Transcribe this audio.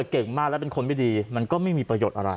เก่งมากแล้วเป็นคนไม่ดีมันก็ไม่มีประโยชน์อะไร